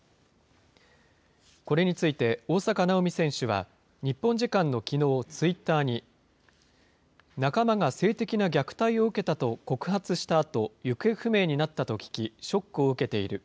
これについて大坂なおみ選手は日本時間のきのう、ツイッターに、仲間が性的な虐待を受けたと告発したあと、行方不明になったと聞き、ショックを受けている。